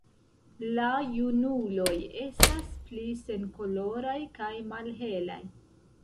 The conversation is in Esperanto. La junuloj estas pli senkoloraj kaj malhelaj.